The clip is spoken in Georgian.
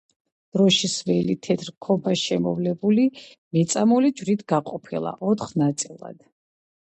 დროშის ველი თეთრ ქობაშემოვლებული მეწამული ჯვრით გაყოფილია ოთხ ნაწილად.